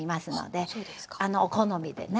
お好みでね。